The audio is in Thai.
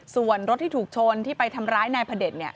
ส่วนรถที่ถูกชนที่ไปทำร้ายนายพระเด็จ